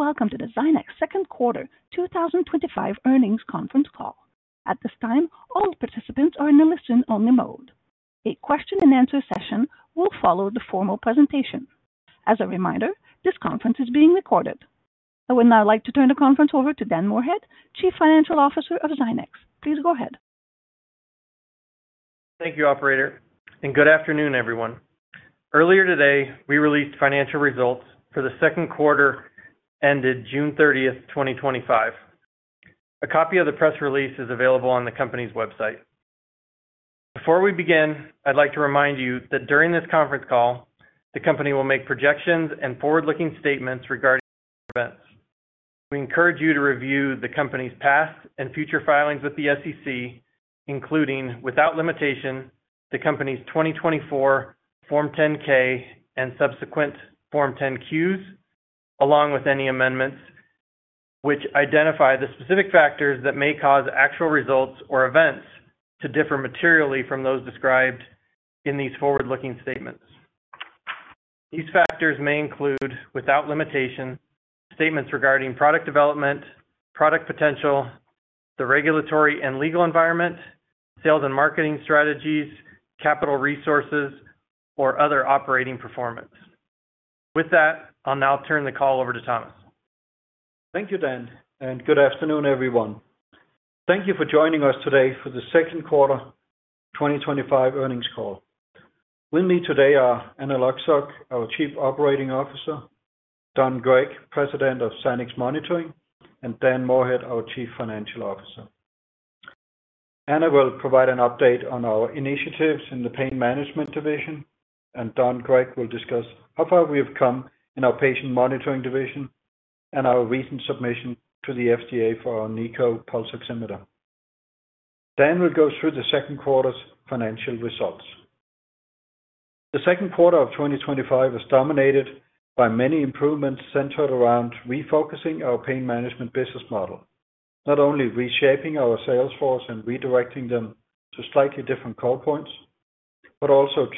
Afternoon, ladies and gentlemen, and welcome to the Zynex second quarter 2025 earnings conference call. At this time, all participants are in a listen-only mode. A question-and-answer session will follow the formal presentation. As a reminder, this conference is being recorded. I would now like to turn the conference over to Dan Moorhead, Chief Financial Officer of Zynex. Please go ahead. Thank you, Operator, and good afternoon, everyone. Earlier today, we released financial results for the second quarter ended June 30th, 2025. A copy of the press release is available on the company's website. Before we begin, I'd like to remind you that during this conference call, the company will make projections and forward-looking statements regarding events. We encourage you to review the company's past and future filings with the SEC, including, without limitation, the company's 2024 Form 10-K and subsequent Form 10-Qs, along with any amendments, which identify the specific factors that may cause actual results or events to differ materially from those described in these forward-looking statements. These factors may include, without limitation, statements regarding product development, product potential, the regulatory and legal environment, sales and marketing strategies, capital resources, or other operating performance. With that, I'll now turn the call over to Thomas. Thank you, Dan, and good afternoon, everyone. Thank you for joining us today for the second quarter 2025 earnings call. With me today are Anna Lucsok, our Chief Operating Officer; Don Gregg, President of Zynex Monitoring; and Dan Moorhead, our Chief Financial Officer. Anna will provide an update on our initiatives in the Pain Management Division, and Don Gregg will discuss how far we have come in our Patient Monitoring Division and our recent submission to the FDA for our NiCO pulse oximeter. Dan will go through the second quarter's financial results. The second quarter of 2025 is dominated by many improvements centered around refocusing our pain management business model, not only reshaping our sales force and redirecting them to slightly different call points, but also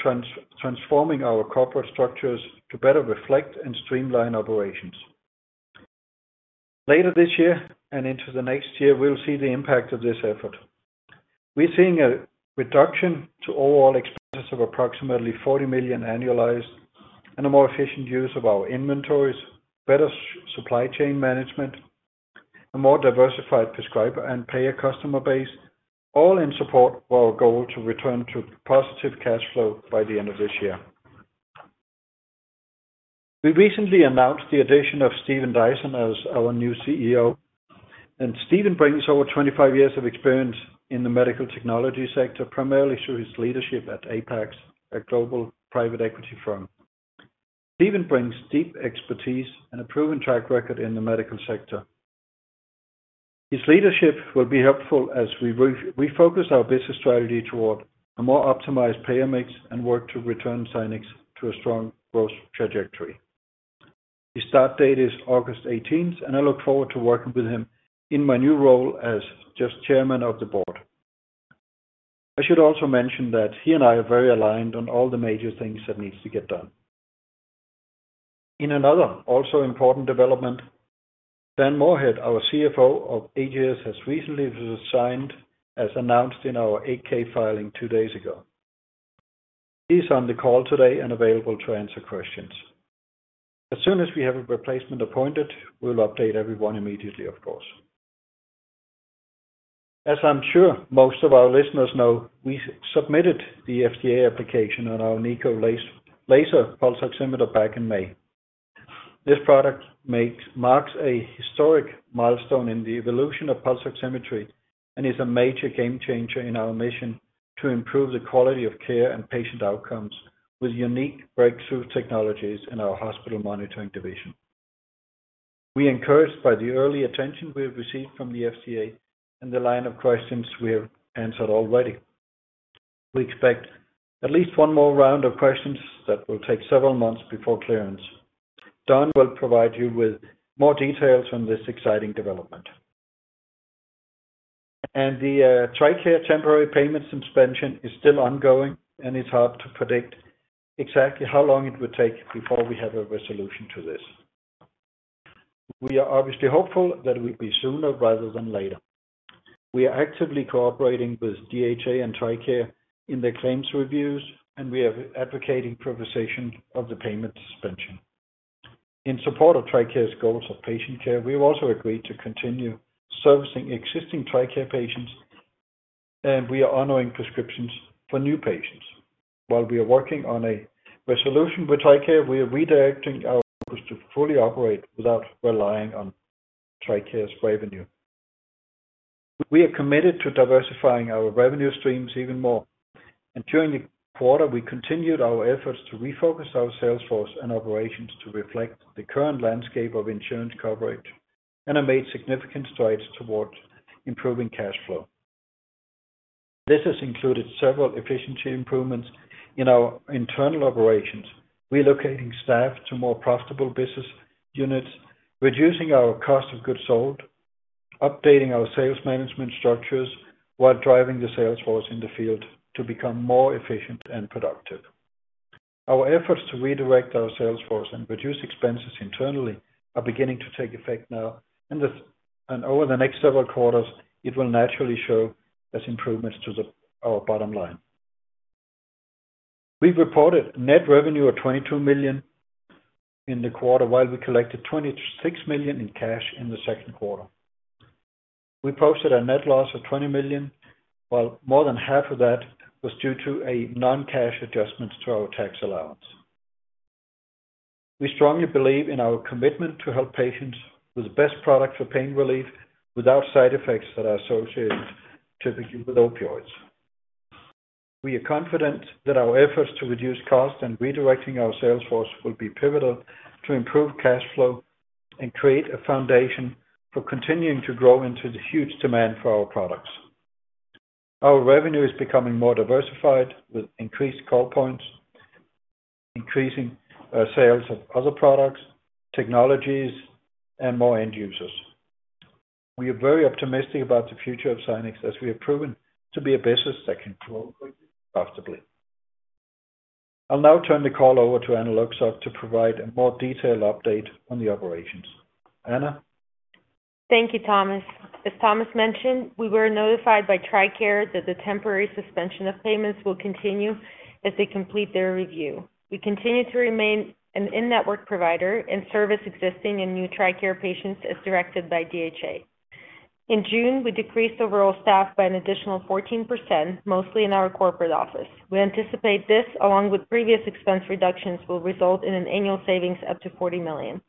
transforming our corporate structures to better reflect and streamline operations. Later this year and into the next year, we'll see the impact of this effort. We're seeing a reduction to overall expenses of approximately $40 million annualized and a more efficient use of our inventories, better supply chain management, and a more diversified prescriber and payer customer base, all in support of our goal to return to positive cash flow by the end of this year. We recently announced the addition of Steven Dyson as our new CEO, and Steven brings over 25 years of experience in the medical technology sector, primarily through his leadership at Apex, a global private equity firm. Steven brings deep expertise and a proven track record in the medical sector. His leadership will be helpful as we refocus our business strategy toward a more optimized payer mix and work to return Zynex to a strong growth trajectory. His start date is August 18th, and I look forward to working with him in my new role as just Chairman of the Board. I should also mention that he and I are very aligned on all the major things that need to get done. In another also important development, Dan Moorhead, our CFO, has recently resigned, as announced in our 8-K filing two days ago. He's on the call today and available to answer questions. As soon as we have a replacement appointed, we'll update everyone immediately, of course. As I'm sure most of our listeners know, we submitted the FDA application on our NiCO laser pulse oximeter back in May. This product marks a historic milestone in the evolution of pulse oximetry and is a major game changer in our mission to improve the quality of care and patient outcomes with unique breakthrough technologies in our Hospital Monitoring Division. We are encouraged by the early attention we've received from the FDA and the line of questions we have answered already. We expect at least one more round of questions that will take several months before clearance. Don Gregg will provide you with more details on this exciting development. The TRICARE temporary payment suspension is still ongoing, and it's hard to predict exactly how long it would take before we have a resolution to this. We are obviously hopeful that it will be sooner rather than later. We are actively cooperating with the DHA and TRICARE in their claims reviews, and we are advocating for rescission of the payment suspension. In support of TRICARE's goals for patient care, we've also agreed to continue servicing existing TRICARE patients, and we are honoring prescriptions for new patients. While we are working on a resolution with TRICARE, we are redirecting our focus to fully operate without relying on TRICARE's revenue. We are committed to diversifying our revenue streams even more. During the quarter, we continued our efforts to refocus our sales force and operations to reflect the current landscape of insurance coverage and have made significant strides towards improving cash flow. This has included several efficiency improvements in our internal operations, relocating staff to more profitable business units, reducing our cost of goods sold, and updating our sales management structures while driving the sales force in the field to become more efficient and productive. Our efforts to redirect our sales force and reduce expenses internally are beginning to take effect now, and over the next several quarters, it will naturally show as improvements to our bottom line. We've reported net revenue of $22 million in the quarter, while we collected $26 million in cash in the second quarter. We posted a net loss of $20 million, while more than half of that was due to a non-cash adjustment to our deferred tax asset allowance. We strongly believe in our commitment to help patients with the best products for pain relief without side effects that are associated typically with opioids. We are confident that our efforts to reduce costs and redirecting our sales force will be pivotal to improve cash flow and create a foundation for continuing to grow into the huge demand for our products. Our revenue is becoming more diversified with increased call points, increasing sales of other products, technologies, and more end users. We are very optimistic about the future of Zynex as we have proven to be a business that can grow profitably. I'll now turn the call over to Anna Lucsok to provide a more detailed update on the operations. Anna. Thank you, Thomas. As Thomas mentioned, we were notified by TRICARE that the temporary suspension of payments will continue as they complete their review. We continue to remain an in-network provider and service existing and new TRICARE patients as directed by the DHA. In June, we decreased overall staff by an additional 14%, mostly in our corporate office. We anticipate this, along with previous expense reductions, will result in an annual savings up to $40 million.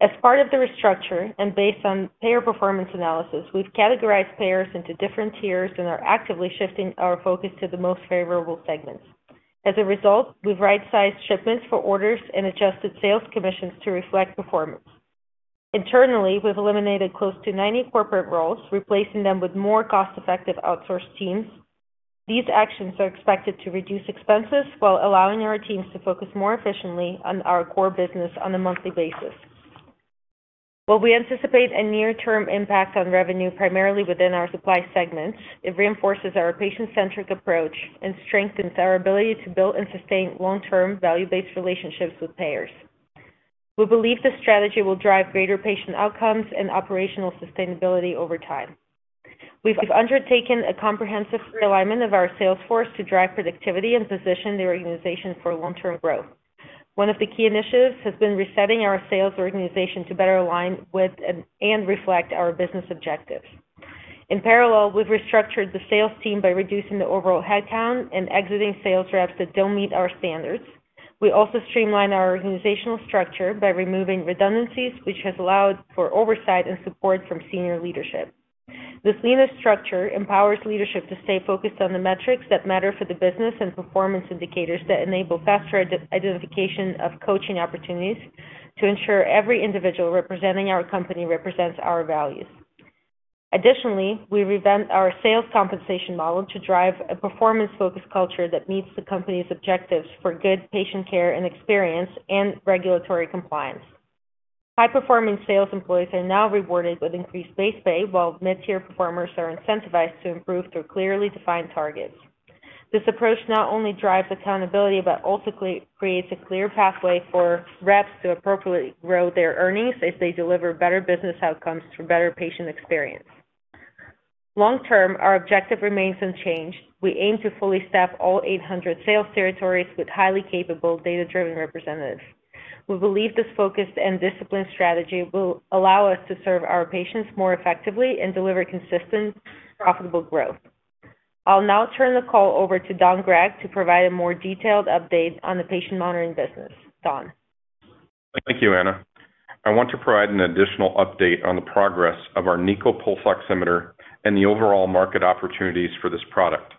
As part of the restructure and based on payer performance analysis, we've categorized payers into different tiers and are actively shifting our focus to the most favorable segments. As a result, we've right-sized shipments for orders and adjusted sales commissions to reflect performance. Internally, we've eliminated close to 90 corporate roles, replacing them with more cost-effective outsourced teams. These actions are expected to reduce expenses while allowing our teams to focus more efficiently on our core business on a monthly basis. While we anticipate a near-term impact on revenue, primarily within our supply segments, it reinforces our patient-centric approach and strengthens our ability to build and sustain long-term value-based relationships with payers. We believe this strategy will drive greater patient outcomes and operational sustainability over time. We've undertaken a comprehensive realignment of our sales force to drive productivity and position the organization for long-term growth. One of the key initiatives has been resetting our sales organization to better align with and reflect our business objectives. In parallel, we've restructured the sales team by reducing the overall headcount and exiting sales reps that don't meet our standards. We also streamlined our organizational structure by removing redundancies, which has allowed for oversight and support from senior leadership. This leaner structure empowers leadership to stay focused on the metrics that matter for the business and performance indicators that enable faster identification of coaching opportunities to ensure every individual representing our company represents our values. Additionally, we revamped our sales compensation model to drive a performance-focused culture that meets the company's objectives for good patient care and experience and regulatory compliance. High-performing sales employees are now rewarded with increased base pay, while mid-tier performers are incentivized to improve through clearly defined targets. This approach not only drives accountability but ultimately creates a clear pathway for reps to appropriately grow their earnings if they deliver better business outcomes through better patient experience. Long-term, our objective remains unchanged. We aim to fully staff all 800 sales territories with highly capable data-driven representatives. We believe this focused and disciplined strategy will allow us to serve our patients more effectively and deliver consistent, profitable growth. I'll now turn the call over to Don Gregg to provide a more detailed update on the patient monitoring business. Don. Thank you, Anna. I want to provide an additional update on the progress of our NiCO pulse oximeter and the overall market opportunities for this product.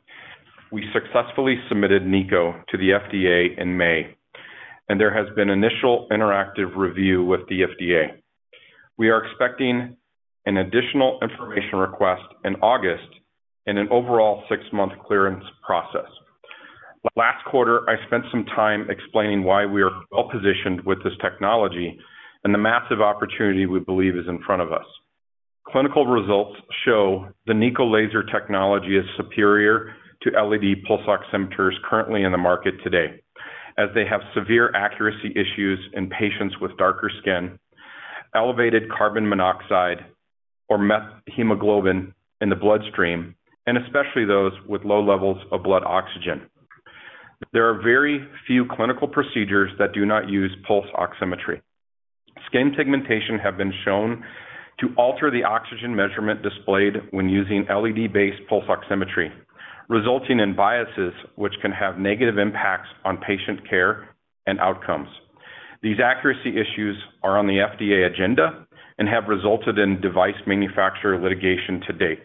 We successfully submitted NiCO to the FDA in May, and there has been initial interactive review with the FDA. We are expecting an additional information request in August and an overall six-month clearance process. Last quarter, I spent some time explaining why we are well-positioned with this technology and the massive opportunity we believe is in front of us. Clinical results show the NiCO laser technology is superior to LED-based pulse oximeters currently in the market today, as they have severe accuracy issues in patients with darker skin, elevated carbon monoxide or methemoglobin in the bloodstream, and especially those with low levels of blood oxygen. There are very few clinical procedures that do not use pulse oximetry. Skin pigmentation has been shown to alter the oxygen measurement displayed when using LED-based pulse oximetry, resulting in biases which can have negative impacts on patient care and outcomes. These accuracy issues are on the FDA agenda and have resulted in device manufacturer litigation to date.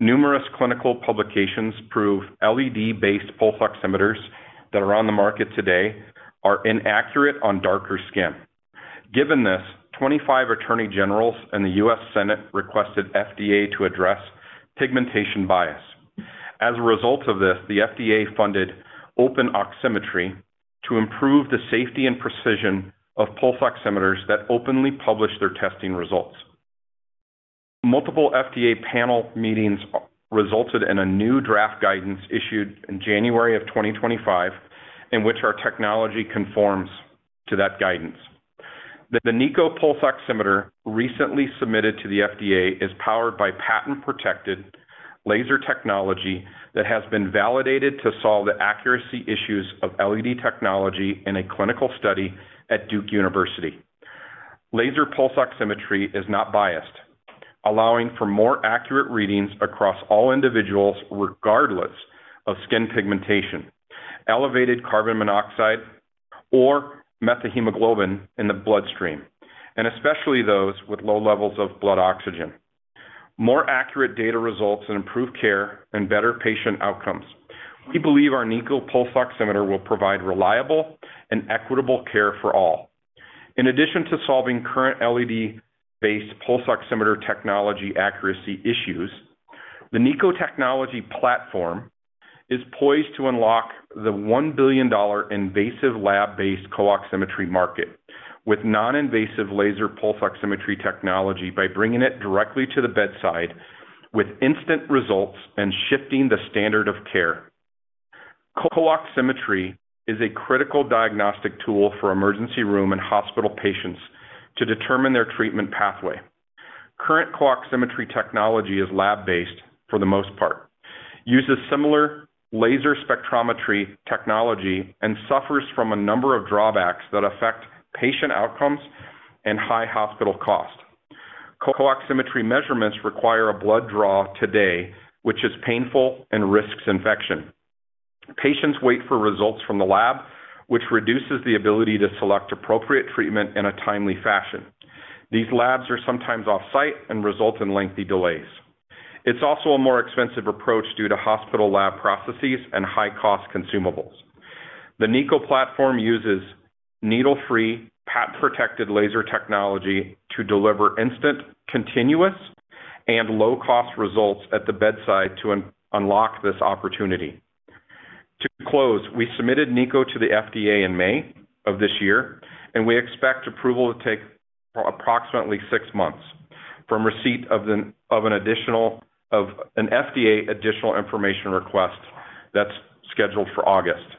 Numerous clinical publications prove LED-based pulse oximeters that are on the market today are inaccurate on darker skin. Given this, 25 attorney generals and the U.S. Senate requested FDA to address pigmentation bias. As a result of this, the FDA funded Open Oximetry to improve the safety and precision of pulse oximeters that openly publish their testing results. Multiple FDA panel meetings resulted in a new draft guidance issued in January of 2025, in which our technology conforms to that guidance. The NiCO pulse oximeter recently submitted to the FDA is powered by patent-protected laser technology that has been validated to solve the accuracy issues of LED technology in a clinical study at Duke University. Laser pulse oximetry is not biased, allowing for more accurate readings across all individuals, regardless of skin pigmentation, elevated carbon monoxide, or methemoglobin in the bloodstream, and especially those with low levels of blood oxygen. More accurate data results in improved care and better patient outcomes. We believe our NiCO pulse oximeter will provide reliable and equitable care for all. In addition to solving current LED-based pulse oximeter technology accuracy issues, the NiCO technology platform is poised to unlock the $1 billion invasive lab-based co-oximetry market with non-invasive laser pulse oximetry technology by bringing it directly to the bedside with instant results and shifting the standard of care. co-oximetry is a critical diagnostic tool for emergency room and hospital patients to determine their treatment pathway. Current co-oximetry technology is lab-based for the most part, uses similar laser spectrometry technology, and suffers from a number of drawbacks that affect patient outcomes and high hospital cost. co-oximetry measurements require a blood draw today, which is painful and risks infection. Patients wait for results from the lab, which reduces the ability to select appropriate treatment in a timely fashion. These labs are sometimes offsite and result in lengthy delays. It's also a more expensive approach due to hospital lab processes and high-cost consumables. The NiCO platform uses needle-free, patent-protected laser technology to deliver instant, continuous, and low-cost results at the bedside to unlock this opportunity. To close, we submitted NiCO to the FDA in May of this year, and we expect approval to take approximately six months from receipt of an FDA additional information request that's scheduled for August.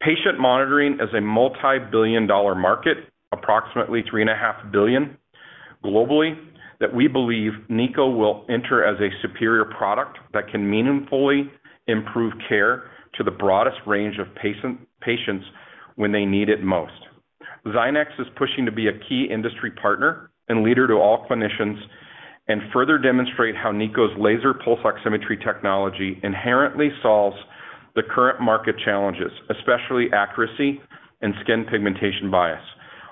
Patient monitoring is a multi-billion dollar market, approximately $3.5 billion globally, that we believe NiCO will enter as a superior product that can meaningfully improve care to the broadest range of patients when they need it most. Zynex is pushing to be a key industry partner and leader to all clinicians and further demonstrate how NiCO's laser pulse oximetry technology inherently solves the current market challenges, especially accuracy and skin pigmentation bias,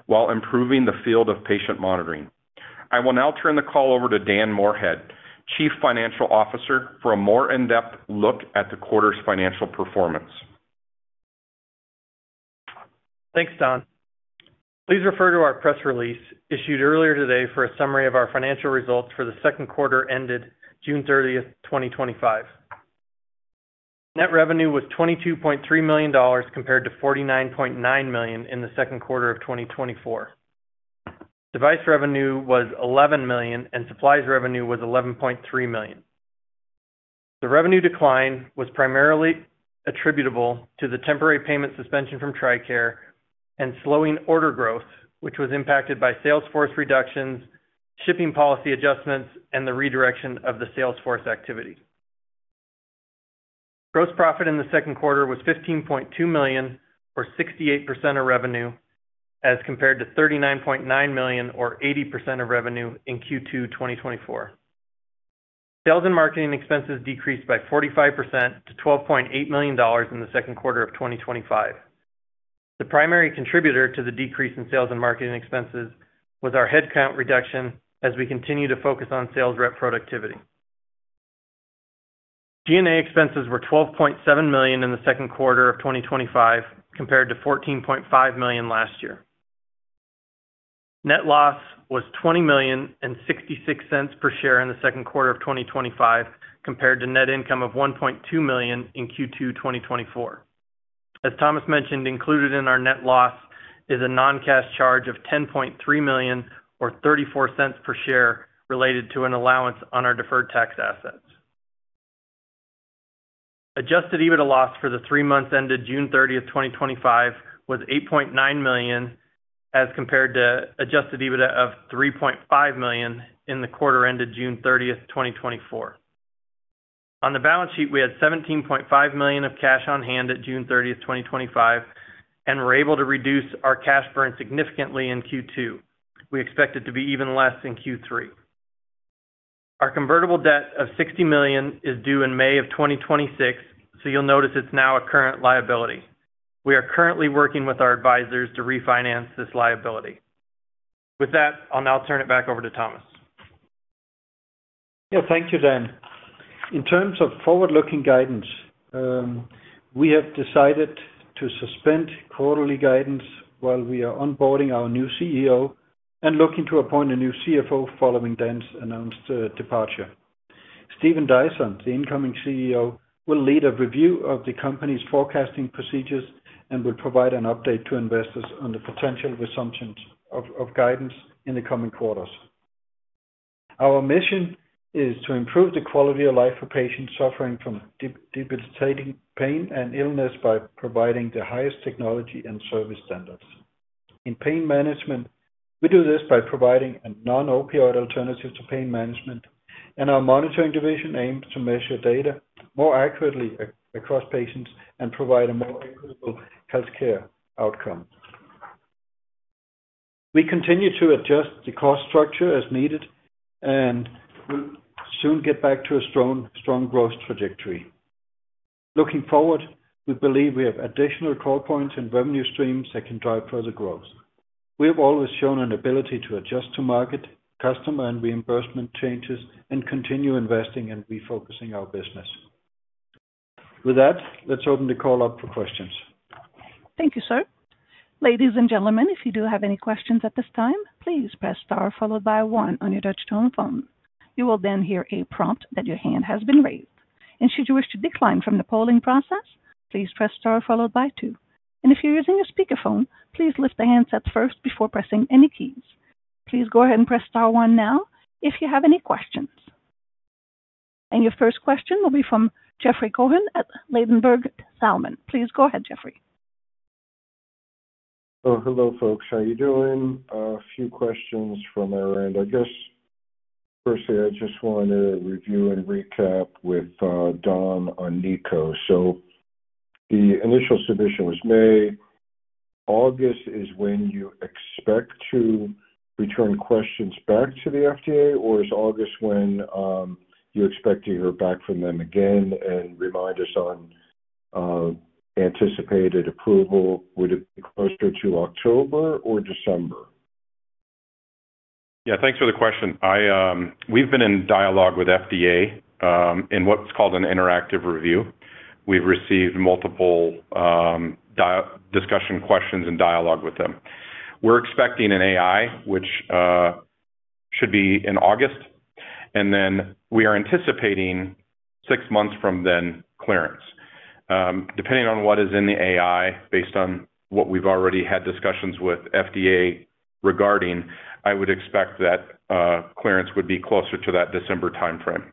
while improving the field of patient monitoring. I will now turn the call over to Dan Moorhead, Chief Financial Officer, for a more in-depth look at the quarter's financial performance. Thanks, Don. Please refer to our Press Release issued earlier today for a summary of our financial results for the second quarter ended June 30th, 2025. Net revenue was $22.3 million compared to $49.9 million in the second quarter of 2024. Device revenue was $11 million, and supplies revenue was $11.3 million. The revenue decline was primarily attributable to the temporary payment suspension from TRICARE and slowing order growth, which was impacted by sales force reductions, shipping policy adjustments, and the redirection of the sales force activity. Gross profit in the second quarter was $15.2 million, or 68% of revenue, as compared to $39.9 million, or 80% of revenue in Q2 2024. Sales and marketing expenses decreased by 45% to $12.8 million in the second quarter of 2025. The primary contributor to the decrease in sales and marketing expenses was our headcount reduction as we continue to focus on sales rep productivity. G&A expenses were $12.7 million in the second quarter of 2025 compared to $14.5 million last year. Net loss was $20.66 per share in the second quarter of 2025 compared to net income of $1.2 million in Q2 2024. As Thomas mentioned, included in our net loss is a non-cash charge of $10.3 million, or $0.34 per share, related to an allowance on our deferred tax assets. Adjusted EBITDA loss for the three months ended June 30th, 2025 was $8.9 million as compared to an adjusted EBITDA of $3.5 million in the quarter ended June 30th, 2024. On the balance sheet, we had $17.5 million of cash on hand at June 30, 2025, and we're able to reduce our cash burn significantly in Q2. We expect it to be even less in Q3. Our convertible debt of $60 million is due in May of 2026, so you'll notice it's now a current liability. We are currently working with our advisors to refinance this liability. With that, I'll now turn it back over to Thomas. Thank you, Dan. In terms of forward-looking guidance, we have decided to suspend quarterly guidance while we are onboarding our new CEO and looking to appoint a new CFO following Dan's announced departure. Steven Dyson, the incoming CEO, will lead a review of the company's forecasting procedures and will provide an update to investors on the potential resumptions of guidance in the coming quarters. Our mission is to improve the quality of life for patients suffering from debilitating pain and illness by providing the highest technology and service standards. In pain management, we do this by providing a non-opioid alternative to pain management, and our Monitoring Division aims to measure data more accurately across patients and provide a reputable healthcare outcome. We continue to adjust the cost structure as needed, and we'll soon get back to a strong growth trajectory. Looking forward, we believe we have additional call points and revenue streams that can drive further growth. We have always shown an ability to adjust to market, customer, and reimbursement changes and continue investing and refocusing our business. With that, let's open the call up for questions. Thank you, sir. Ladies and gentlemen, if you do have any questions at this time, please press star followed by one on your touch-tone phone. You will then hear a prompt that your hand has been read. Should you wish to decline from the polling process, please press star followed by two. If you're using a speakerphone, please lift the handsets first before pressing any keys. Please go ahead and press star one now if you have any questions. Your first question will be from Jeffrey Cohen at Ladenburg Thalmann. Please go ahead, Jeffrey. Oh, hello, folks. How are you doing? A few questions from our end. I guess, firstly, I just want to review and recap with Don on NiCO. The initial submission was May. August is when you expect to return questions back to the FDA, or is August when you expect to hear back from them again, and remind us on anticipated approval? Would it be closer to October or December? Thanks for the question. We've been in dialogue with FDA in what's called an Interactive Review. We've received multiple discussion questions and dialogue with them. We're expecting an AI, which should be in August, and we are anticipating six months from then clearance. Depending on what is in the AI, based on what we've already had discussions with FDA regarding, I would expect that clearance would be closer to that December timeframe.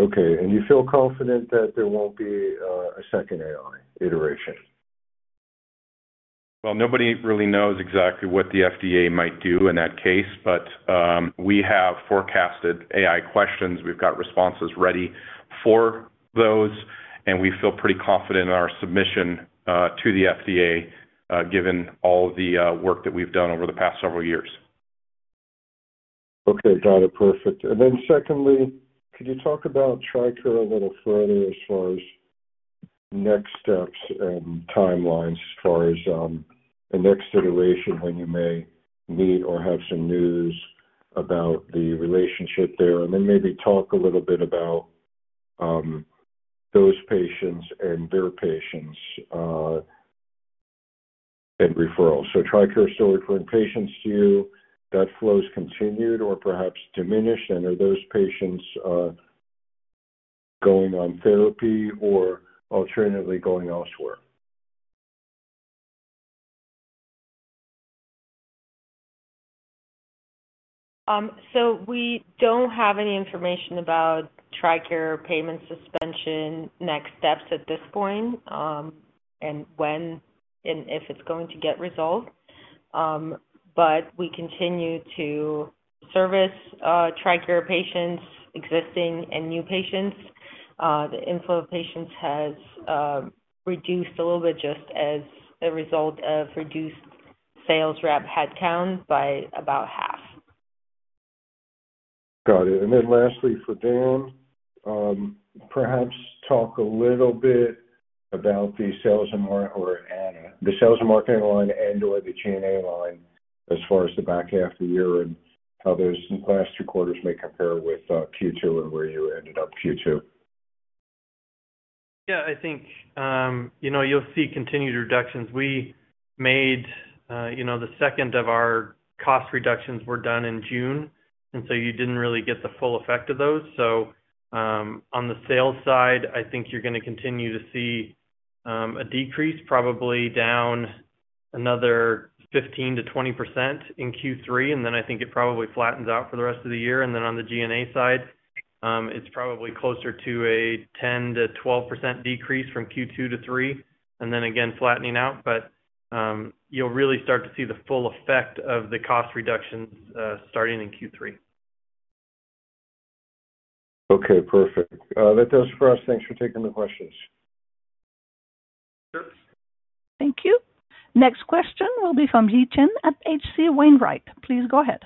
Okay. You feel confident that there won't be a second AI iteration? Nobody really knows exactly what the FDA might do in that case, but we have forecasted AI questions. We've got responses ready for those, and we feel pretty confident in our submission to the FDA, given all the work that we've done over the past several years. Okay. Got it. Perfect. Could you talk about TRICARE a little further as far as next steps and timelines as far as the next iteration when you may meet or have some news about the relationship there, and maybe talk a little bit about those patients and their patients and referrals. TRICARE is still referring patients to you. That flow has continued or perhaps diminished, and are those patients going on therapy or alternatively going elsewhere? We don't have any information about TRICARE payment suspension, next steps at this point, and when or if it's going to get resolved. We continue to service TRICARE patients, existing and new patients. The inflow of patients has reduced a little bit just as a result of reduced sales rep headcount by about half. Got it. Lastly, for Dan, perhaps talk a little bit about the sales and marketing line and/or the G&A line as far as the back half of the year and how those in the past three quarters may compare with Q2 and where you ended up Q2. I think you'll see continued reductions. We made the second of our cost reductions in June, and you didn't really get the full effect of those. On the sales side, I think you're going to continue to see a decrease, probably down another 15%-20% in Q3. I think it probably flattens out for the rest of the year. On the G&A side, it's probably closer to a 10%-12% decrease from Q2 to Q3, and then again flattening out. You'll really start to see the full effect of the cost reductions starting in Q3. Okay. Perfect. That does it for us. Thanks for taking the questions. Thank you. Next question will be from Yi Chen at H.C. Wainwright. Please go ahead.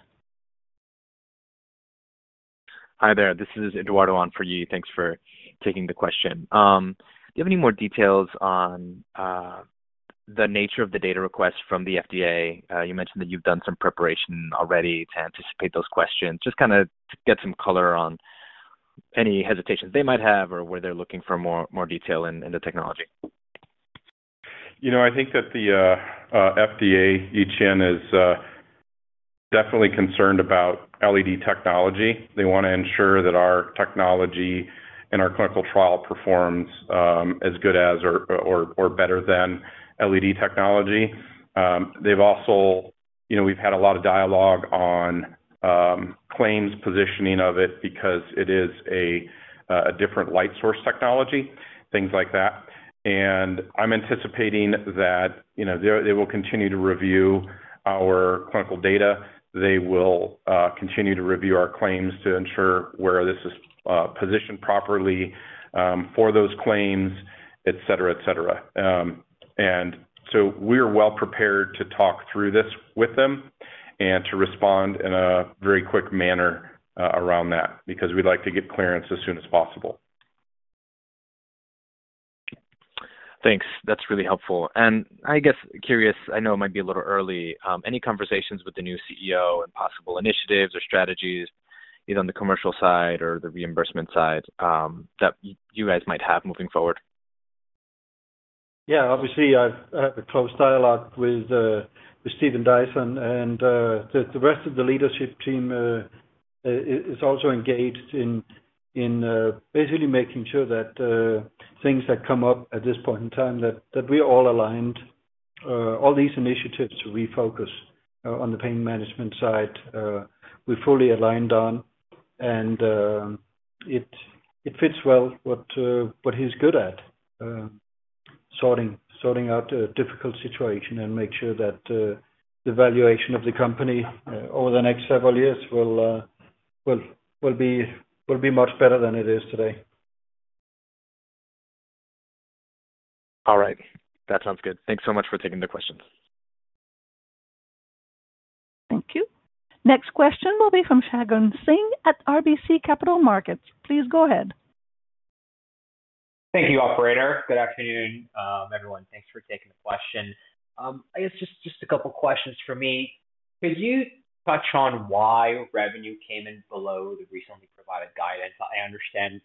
Hi there. This is Eduardo on for Yi. Thanks for taking the question. Do you have any more details on the nature of the data request from the FDA? You mentioned that you've done some preparation already to anticipate those questions. Just kind of get some color on any hesitations they might have or where they're looking for more detail in the technology. I think that the FDA, Yi Chen, is definitely concerned about LED technology. They want to ensure that our technology and our clinical trial performs as good as or better than LED technology. They've also, you know, we've had a lot of dialogue on claims positioning of it because it is a different light source technology, things like that. I'm anticipating that, you know, they will continue to review our clinical data. They will continue to review our claims to ensure where this is positioned properly for those claims, etc., etc. We are well prepared to talk through this with them and to respond in a very quick manner around that because we'd like to get clearance as soon as possible. Thanks. That's really helpful. I guess, curious, I know it might be a little early, any conversations with the new CEO and possible initiatives or strategies, either on the commercial side or the reimbursement side, that you guys might have moving forward? Obviously, I've had a close dialogue with Steven Dyson, and the rest of the leadership team is also engaged in basically making sure that things that come up at this point in time, that we're all aligned. All these initiatives to refocus on the pain management side, we're fully aligned on, and it fits well what he's good at, sorting out a difficult situation and make sure that the valuation of the company over the next several years will be much better than it is today. All right. That sounds good. Thanks so much for taking the questions. Thank you. Next question will be from Shagun Singh at RBC Capital Markets. Please go ahead. Thank you, Operator. Good afternoon, everyone. Thanks for taking the question. I guess just a couple of questions for me. Could you touch on why revenue came in below the recently provided guidance? I understand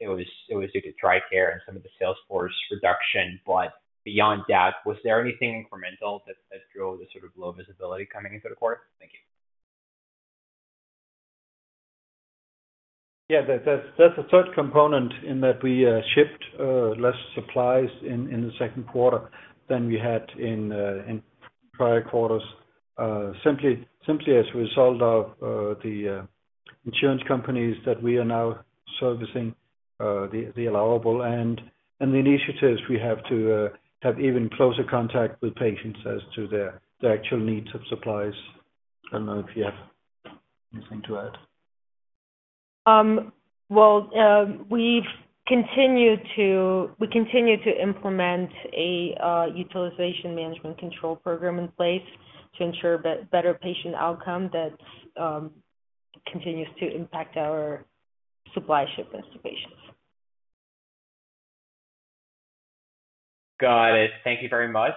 it was due to TRICARE and some of the sales force reduction, but beyond that, was there anything incremental that drove the sort of low visibility coming into the quarter? Thank you. Yeah, that's a third component in that we shipped less supplies in the second quarter than we had in prior quarters, simply as a result of the insurance companies that we are now servicing, the allowable and the initiatives we have to have even closer contact with patients as to their actual needs of supplies. I don't know if you have anything to add. We continue to implement a utilization management control program in place to ensure better patient outcome that continues to impact our supply ship installations. Got it. Thank you very much.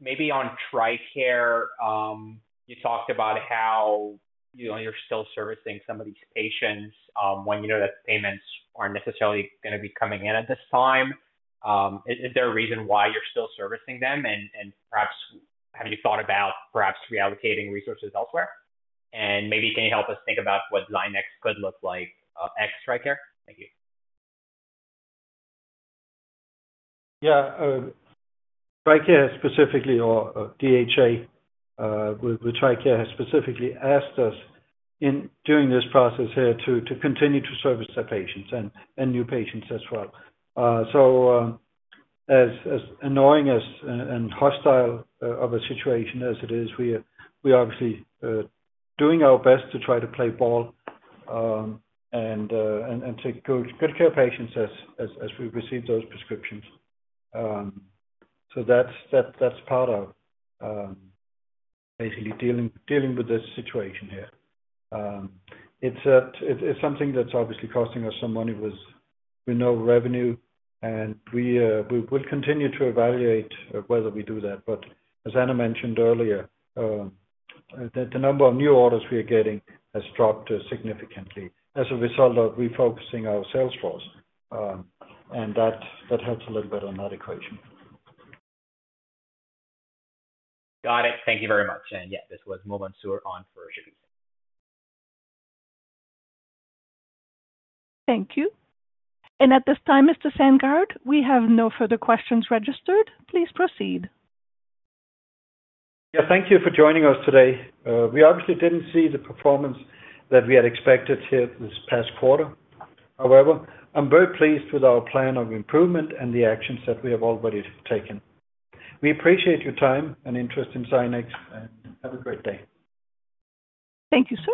Maybe on TRICARE, you talked about how you're still servicing some of these patients when you know that payments aren't necessarily going to be coming in at this time. Is there a reason why you're still servicing them? Perhaps, have you thought about perhaps reallocating resources elsewhere? Maybe can you help us think about what Zynex could look like at TRICARE? Thank you. Yeah. TRICARE specifically, or the Defense Health Agency with TRICARE, has specifically asked us in doing this process here to continue to service their patients and new patients as well. As annoying and hostile of a situation as it is, we are obviously doing our best to try to play ball and take good care of patients as we receive those prescriptions. That's part of basically dealing with this situation here. It's something that's obviously costing us some money with no revenue, and we will continue to evaluate whether we do that. As Anna mentioned earlier, the number of new orders we are getting has dropped significantly as a result of refocusing our sales force, and that helps a little bit on that equation. Got it. Thank you very much. This was [Movan Sour] on for Shagun. Thank you. At this time, Mr. Sandgaard, we have no further questions registered. Please proceed. Thank you for joining us today. We obviously didn't see the performance that we had expected here this past quarter. However, I'm very pleased with our plan of improvement and the actions that we have already taken. We appreciate your time and interest in Zynex. Have a great day. Thank you, sir.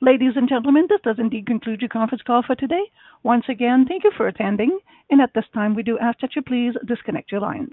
Ladies and gentlemen, this does indeed conclude your conference call for today. Once again, thank you for attending. At this time, we do ask that you please disconnect your lines.